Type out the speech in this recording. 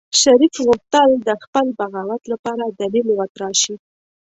شريف غوښتل د خپل بغاوت لپاره دليل وتراشي.